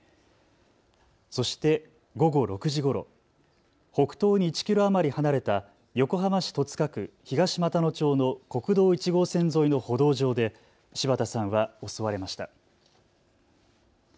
そして午後６時ごろ、北東に１キロ余り離れた横浜市戸塚区東俣野町の国道１号線沿いの歩道上で柴田さんは襲われました。